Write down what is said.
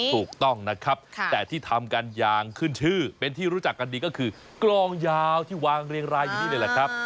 ถูกต้องนะครับแต่ที่ทำกันอย่างขึ้นชื่อเป็นที่รู้จักกันดีก็คือกลองยาวที่วางเรียงรายอยู่นี่เลยแหละครับ